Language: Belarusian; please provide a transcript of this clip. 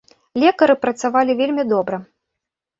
Лекары працавалі вельмі добра.